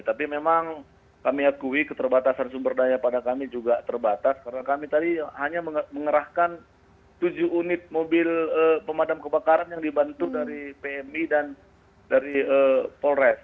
tapi memang kami akui keterbatasan sumber daya pada kami juga terbatas karena kami tadi hanya mengerahkan tujuh unit mobil pemadam kebakaran yang dibantu dari pmi dan dari polres